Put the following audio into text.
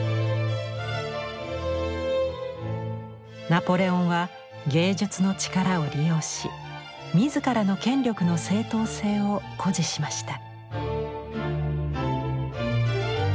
ナポレオンは芸術の力を利用し自らの権力の正統性を誇示しました。